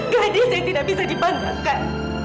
gadis yang tidak bisa dipanggangkan